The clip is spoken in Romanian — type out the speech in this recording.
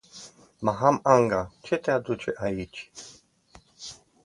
Maham Anga, ce te aduce aici?